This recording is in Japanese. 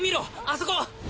あそこ！